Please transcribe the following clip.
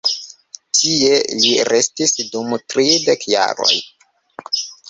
Tie, li restis dum tridek jaroj.